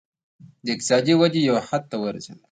د اقتصادي ودې یو حد ته ورسېدل.